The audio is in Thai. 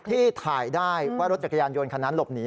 ที่ถ่ายได้ว่ารถจักรยานยนต์คันนั้นหลบหนี